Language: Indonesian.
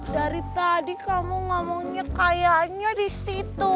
dari tadi kamu ngomongnya kayaknya disitu